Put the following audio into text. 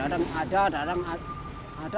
ada yang ada ada yang ada